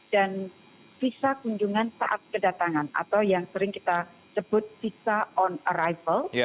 dan visa kunjungan saat kedatangan atau yang sering kita sebut visa on arrival